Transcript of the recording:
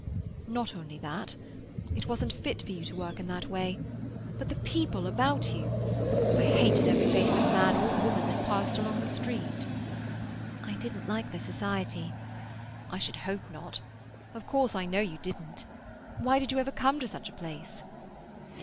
"Not only that. It wasn't fit for you to work in that way—but the people about you! I hated every face of man or woman that passed along the street." "I didn't like the society." "I should hope not. Of course, I know you didn't. Why did you ever come to such a place?"